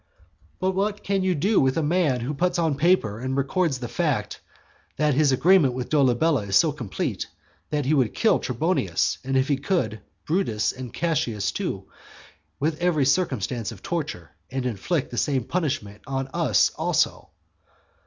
XVIII. What can you do with a man who puts on paper and records the fact, that his agreement with Dolabella is so complete, that he would kill Trebonius, and, if he could, Brutus and Cassius too, with every circumstance of torture; and inflict the same punishment on us also?